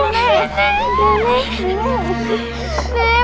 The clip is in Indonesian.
nek makasih ya nek